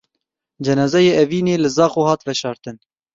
Cenazeyê Evînê li Zaxo hat veşartin.